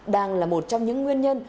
đang là một trong những nguyên nhân